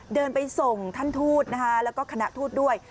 เดินไปส่งท่านทูตนะคะแล้วก็คณะทูตด้วย